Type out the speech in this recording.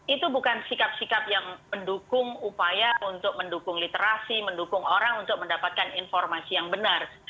itu bukan sikap sikap yang mendukung upaya untuk mendukung literasi mendukung orang untuk mendapatkan informasi yang benar